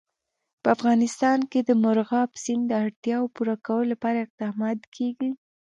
په افغانستان کې د مورغاب سیند د اړتیاوو پوره کولو لپاره اقدامات کېږي.